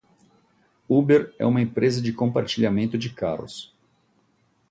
Uber é uma empresa de compartilhamento de carros.